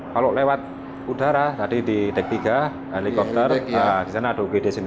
kalau lewat udara tadi di dek tiga helikopter di sana ada ugd sini